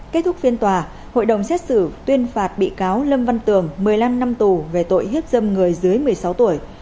kết thúc phiên tòa hội đồng xét xử tuyên phạt bị cáo lâm văn tường một mươi năm năm tù về tội hiếp dâm người dưới một mươi sáu tuổi